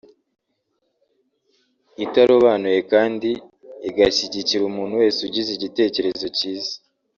itarobanuye kandi igashyigikira umuntu wese ugize igitekerezo cyiza